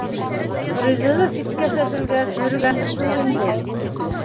— Ризығы ситкә сәселгәс, йөрөгәндер шул инде.